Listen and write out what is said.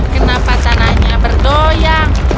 kenapa tanahnya bergoyang